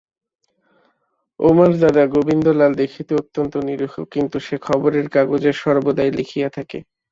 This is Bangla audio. উমার দাদা গোবিন্দলাল দেখিতে অত্যন্ত নিরীহ, কিন্তু সে খবরের কাগজে সর্বদাই লিখিয়া থাকে।